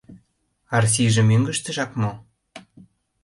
Арсиже мӧҥгыштыжак мо?